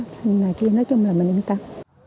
nhưng mà kia nói chung là mình yên tâm